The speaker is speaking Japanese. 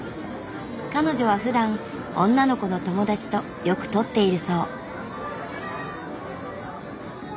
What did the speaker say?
彼女はふだん女の子の友達とよく撮っているそう。